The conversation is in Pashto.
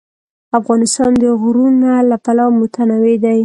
افغانستان د غرونه له پلوه متنوع دی.